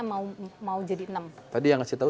mau jadi enam tadi yang kasih tau